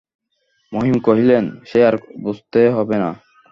মহিম কহিলেন, সে আর বুঝতে হবে না।